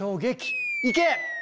いけ！